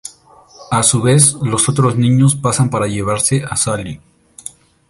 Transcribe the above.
A su vez, los otros niños pasan para llevarse a Sally.